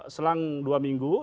selang dua minggu